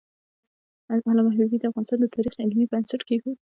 علامه حبیبي د افغانستان د تاریخ علمي بنسټ کېښود.